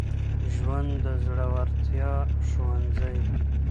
ژوند د زړورتیا ښوونځی